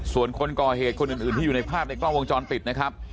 ส่วนคนก่อเหตุคนอื่นที่อยู่ในภาพในกล้องวงจรปิดนะครับ